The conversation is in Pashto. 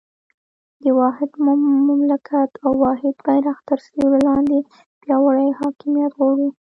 د واحد مملکت او واحد بېرغ تر سیوري لاندې پیاوړی حاکمیت غواړو.